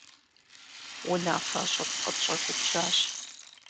Унафэщӏыр къытщӀэгубжьащ.